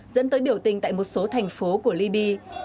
dẫn tới biểu tình tại một số thành phố của liby